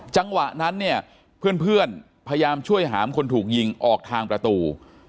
จังหวะนั้นเนี่ยเพื่อนพยายามช่วยหามคนถูกยิงออกทางประตู